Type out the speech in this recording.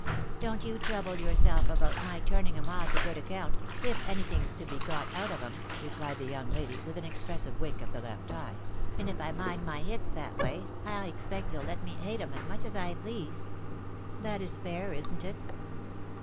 " Don't you trouble yourself about my turning 'em all to good account, if anything 's to be got out of 'em," rephed the young lady with an expressive wink of the left eye; "and if I mind my hits that way, I expect you'll let me hate 'em as much as I please. That is fair, isn't it